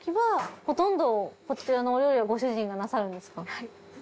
はい。